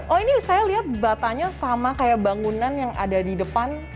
oh ini saya lihat batanya sama kayak bangunan yang ada di depan